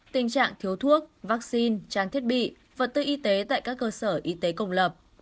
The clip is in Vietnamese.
tình trạng thiếu thuốc vaccine trang thiết bị vật tư y tế tại các cơ sở y tế công lập